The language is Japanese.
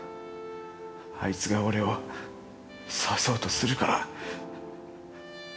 あいつが俺を刺そうとするから。